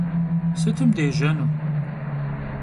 Sıtım dêjenu?